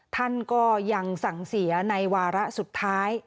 ท่านก็ยังสั่งเสียในวาระสุดท้าย